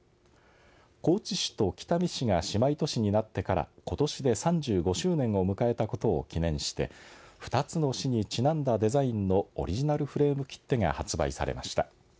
高知市と北西が姉妹都市になってからことしで３５周年を迎えたことを記念して２つの市にちなんだデザインのオリジナルフレーム切手が発売されました。